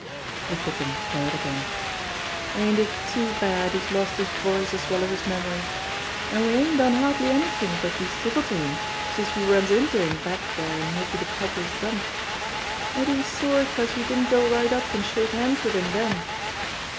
The Kitten purred again : "Ain't it too bad he's lost his voice as well as his memory ! An' we ain't done hardly anythin' but be civil to him since we runs into him back dere in Mickey de Cobbler's dump. Mabbe he's sore 'cause we didn't go right up an' shake hands wid him den!